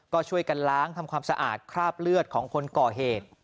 ก็ช่วยกันล้างทำความสะอาดคราบเลือดของคนก่อเหตุ